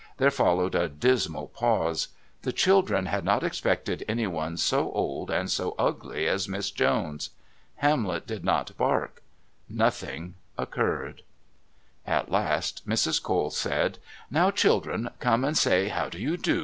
There followed a dismal pause. The children had not expected anyone so old and so ugly as Miss Jones. Hamlet did not bark nothing occurred. At last Mrs. Cole said: "Now, children, come and say, 'How do you do?'